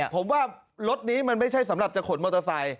ผมว่ารถนี้มันไม่ใช่สำหรับจะขนมอเตอร์ไซค